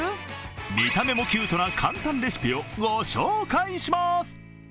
見た目もキュートな簡単レシピをご紹介します。